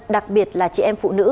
đặc biệt là chị em phụ nữ